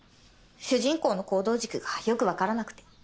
主人公の行動軸がよく分からなくて。